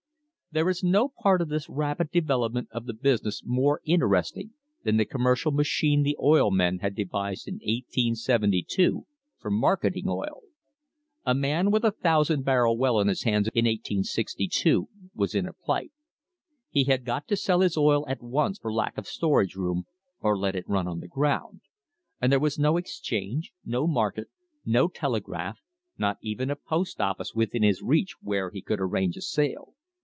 There is no part of this rapid development of the business more interesting than the commercial machine the oil men had devised by 1872 for marketing oil. A man with a thousand barrel well on his hands in 1862 was in a plight. He had got to sell his oil at once for lack of storage room or let it run on the ground, and there was no exchange, no market, no telegraph, not even a post office within his reach where he could arrange a sale.